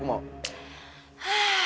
ya udah apa